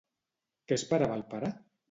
Què esperava el pare?